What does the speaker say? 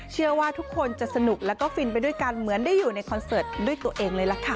เชื่อว่าทุกคนจะสนุกแล้วก็ฟินไปด้วยกันเหมือนได้อยู่ในคอนเสิร์ตด้วยตัวเองเลยล่ะค่ะ